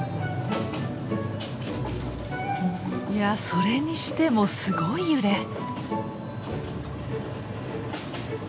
いやそれにしてもすごい揺れ。